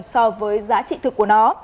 so với giá trị thực của nó